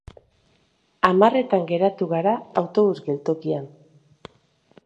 Hamarretan geratu gara autobus geltokian